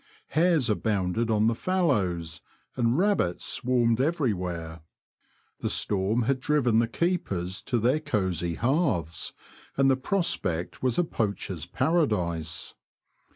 Hares abounded on the fallows, and rabbits swarmed every where. The storm had driven the keepers to their cosy hearths, and the prospect was a poacher's paradise.